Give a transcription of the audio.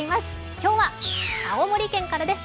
今日は青森県からです。